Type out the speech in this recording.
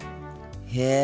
へえ。